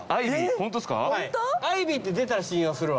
アイビーって出たら信用するわ。